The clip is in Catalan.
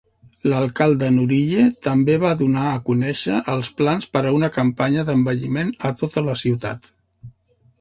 L'alcalde Nuriye també va donar a conèixer els plans per a una campanya d'embelliment a tota la ciutat.